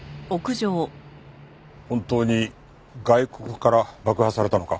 本当に外国から爆破されたのか？